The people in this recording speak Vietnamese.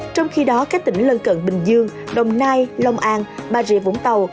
trong khi đó các tỉnh lân cận bình dương đồng nai lông an bà rịa vũng tàu